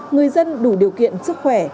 người dân đủ điều kiện sức khỏe